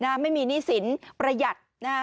ไม่มีหนี้สินประหยัด